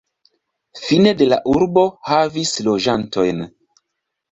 Fine de la urbo havis loĝantojn.